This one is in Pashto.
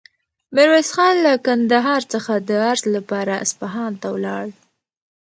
میرویس خان له کندهار څخه د عرض لپاره اصفهان ته ولاړ.